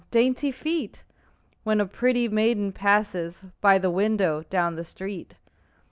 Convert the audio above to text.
"Dainty feet!" When a pretty maiden passes By the window down the street.